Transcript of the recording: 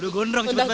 udah gondrong banget